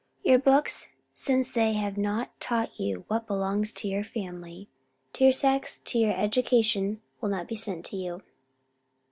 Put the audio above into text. Your books, since they have not taught you what belongs to your family, to your sex, and to your education, will not be sent to you.